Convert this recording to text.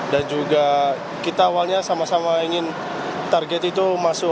dan juga kita awalnya sama sama ingin target itu masuk